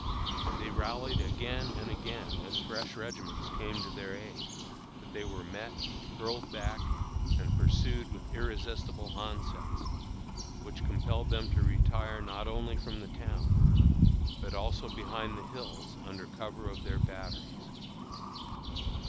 They rallied again and again as fresh regiments came to their aid, but they were met, hurled back, and pursued with irresistible onsets, which compelled them to retire not only from the town, but also behind the hills under cover of their batteries.